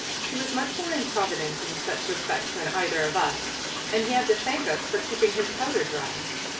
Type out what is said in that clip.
He was much more improvident in such respects than either of us, and he had to thank us for keeping his powder dry.